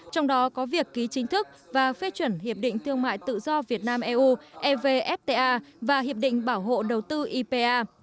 trong đó có việc ký chính thức và phê chuẩn hiệp định thương mại tự do việt nam eu evfta và hiệp định bảo hộ đầu tư ipa